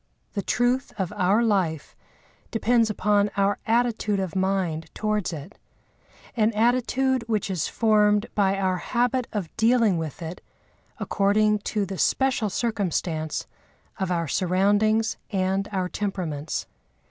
The truth of our life depends upon our attitude of mind towards it—an attitude which is formed by our habit of dealing with it according to the special circumstance of our surroundings and our temperaments.